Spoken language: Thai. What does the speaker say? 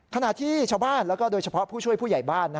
ขณะที่ชาวบ้านแล้วก็โดยเฉพาะผู้ช่วยผู้ใหญ่บ้าน